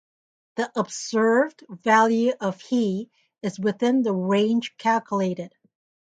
The observed value of He is within the range calculated.